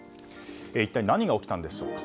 一体何が起きたんでしょうか。